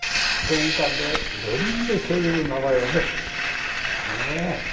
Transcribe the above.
玄関で色んな恐竜の名前をね。